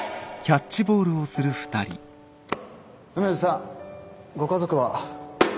梅津さんご家族は？